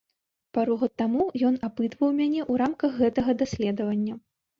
Пару год таму ён апытваў мяне ў рамках гэтага даследавання.